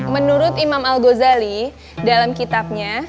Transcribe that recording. menurut imam al ghazali dalam kitabnya